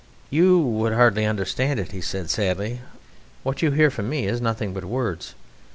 "You would hardly understand it," he said sadly; "what you hear from me is nothing but words....